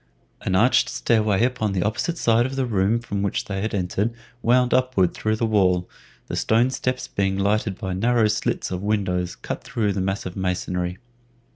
An arched stair way upon the opposite side of the room from which they had entered wound upward through the wall, the stone steps being lighted by narrow slits of windows cut through the massive masonry.